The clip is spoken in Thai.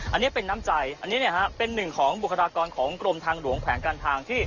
อันนี้เป็นน้ำใจอันนี้เป็นหนึ่งของบุคลากรของกรมทางหลวงแขวงการทางที่